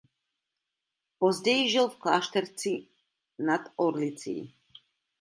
Později žil v Klášterci nad Orlicí.